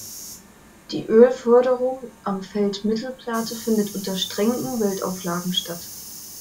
Die Ölförderung am Feld Mittelplate findet unter strengen Umweltauflagen statt.